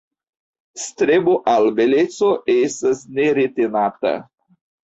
Strebo al beleco estas neretenata.